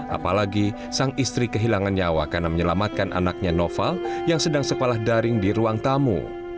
apalagi sang istri kehilangan nyawa karena menyelamatkan anaknya noval yang sedang sekolah daring di ruang tamu